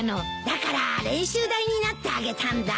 だから練習台になってあげたんだ。